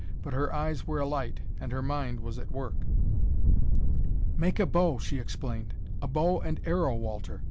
but her eyes were alight, and her mind was at work. "Make a bow!" she exclaimed. "A bow and arrow, Walter!